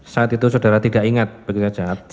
saat itu saudara tidak ingat bagaimana saat itu